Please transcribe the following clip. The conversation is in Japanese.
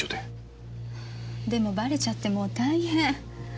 でもばれちゃってもう大変。